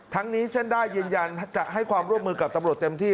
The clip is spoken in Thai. ทั้งนี้เส้นด้ายืนยันจะให้ความร่วมมือกับตำรวจเต็มที่